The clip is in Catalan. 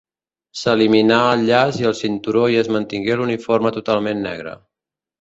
S'eliminà el llaç i el cinturó i es mantingué l'uniforme totalment negre.